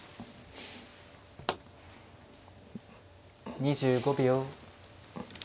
２５秒。